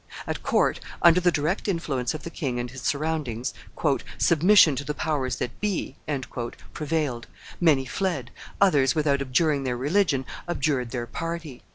At court, under the direct influence of the king and his surroundings, "submission to the powers that be" prevailed; many fled; others, without abjuring their religion, abjured their party.